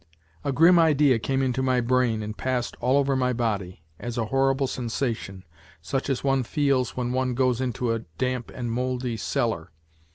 A grim idea came into my brain and passed all over my body, as a horrible sensation, such as one feels when one goes into a damp and mouldy cellar.